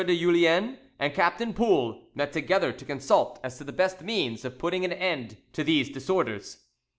de Julien, and Captain Poul met together to consult as to the best means of putting an end to these disorders.